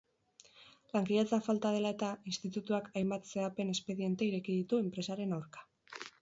Lankidetza falta dela eta, institutuak hainbat zehapen-espediente ireki ditu enpresaren aurka.